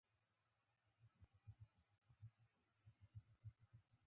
خولې ته یې څادر ونیو: بابا مونږ نه دي څکولي!